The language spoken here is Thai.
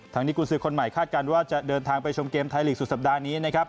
ที่กุญสือคนใหม่คาดการณ์ว่าจะเดินทางไปชมเกมไทยลีกสุดสัปดาห์นี้นะครับ